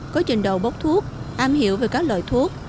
có trình độ bốc thuốc am hiểu về các loại thuốc